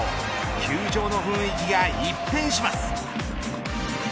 球場の雰囲気が一変します。